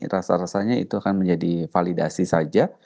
rasa rasanya itu akan menjadi validasi saja